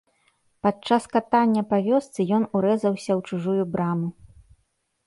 Падчас катання па вёсцы ён урэзаўся ў чужую браму.